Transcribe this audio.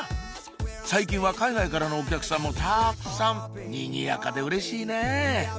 最近は海外からのお客さんもたくさんにぎやかでうれしいね！